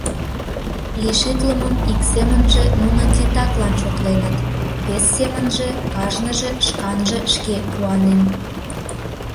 Лишитлымым ик семынже нуно титаклан шотленыт, вес семынже кажныже шканже шке куанен.